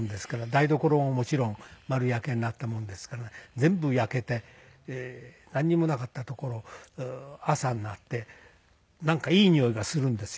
台所ももちろん丸焼けになったもんですからね全部焼けてなんにもなかったところ朝になってなんかいい匂いがするんですよ。